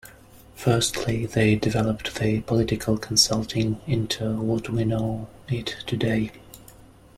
Firstly, they developed the political consulting into what we know it today.